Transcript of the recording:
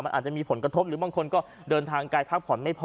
มันอาจจะมีผลกระทบหรือบางคนก็เดินทางไกลพักผ่อนไม่พอ